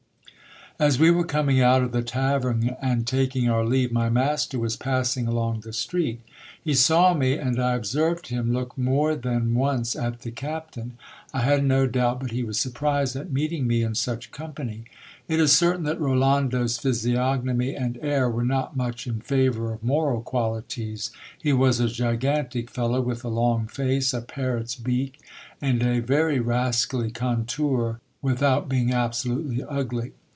As we were coming out of the tavern, and taking our leave, my master was passing along the street. He saw me, and I observed him look more than once at the captain. I had no doubt but he was surprised at meeting me in such company. It is certain that Rolando's physiognomy and air were not much in favour of moral qualities. He was a gigantic fellow, with a long face, a parrot's beak, and a very rascally contour, without being absolutely ugly.